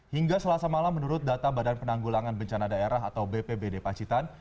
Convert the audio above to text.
hingga selasa malam menurut data badan penanggulangan bencana daerah atau bpbd pacitan